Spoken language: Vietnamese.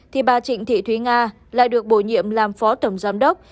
thì bà trịnh thị thúy nga lại được bổ nhiệm làm phó tổng giám đốc